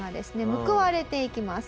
報われていきます。